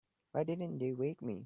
Why didn't they wake me?